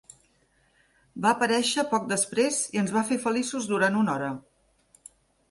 Va aparèixer poc després i ens va fer feliços durant una hora.